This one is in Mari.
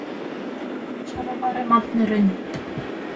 Шароваремат нӧрен.